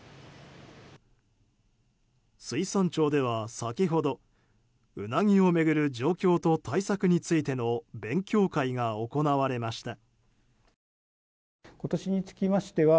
水産庁では先ほどウナギをめぐる状況と対策についての勉強会が行われました。